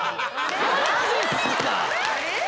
マジっすか？